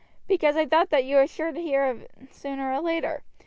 "Because I thought you were sure to hear sooner or later.